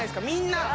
みんな」